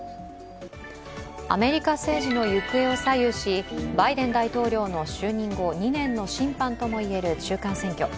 アメリカ政府の行方を左右しバイデン大統領の就任後２年の審判ともいえる中間選挙。